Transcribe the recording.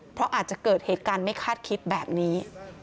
เพราะอาจจะเกิดเหตุการณ์ไม่คาดคิดแบบนี้